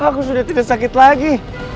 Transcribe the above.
aku sudah tidak sakit lagi